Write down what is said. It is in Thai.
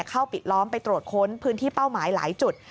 เข้าปิดล้อมไปตรวจค้นพื้นที่เป้าหมายหลายจุด